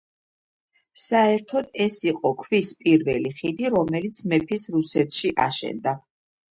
საერთოდ ეს იყო ქვის პირველი ხიდი რომელიც მეფის რუსეთში აშენდა.